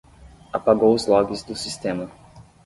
Apagou os logs do sistema.